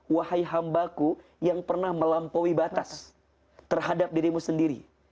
wahai hambaku yang pernah melampaui batas terhadap dirimu sendiri